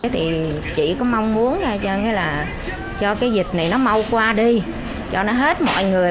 thì chỉ có mong muốn cho cái dịch này nó mau qua đi cho nó hết mọi người